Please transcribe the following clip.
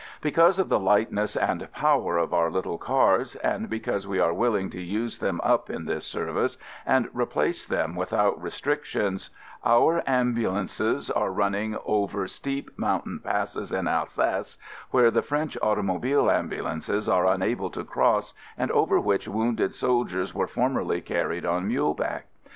Because of the lightness and power of our little cars, and because we are will ing to use them up in this service and re place them without restrictions, our am bulances are running over steep mountain passes in Alsace which the French auto ambulances are unable to cross and over which wounded soldiers were formerly carried on mule back.